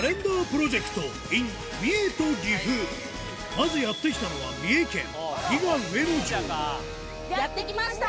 まずやって来たのはやって来ました！